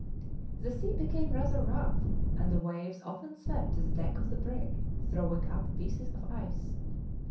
The sea became rather rough, and the waves often swept the deck of the brig, throwing up pieces of ice.